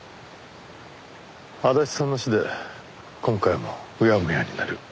足立さんの死で今回もうやむやになる。